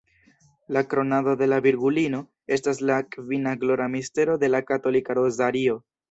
La "Kronado de la Virgulino" estas la kvina glora mistero de la katolika rozario.